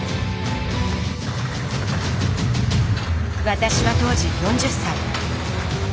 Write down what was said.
私は当時４０歳。